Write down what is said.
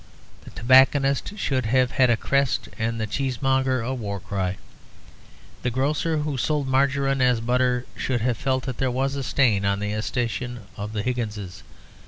The tobacconist should have had a crest, and the cheesemonger a war cry. The grocer who sold margarine as butter should have felt that there was a stain on the escutcheon of the Higginses.